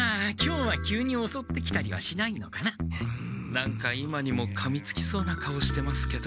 何か今にもかみつきそうな顔してますけど。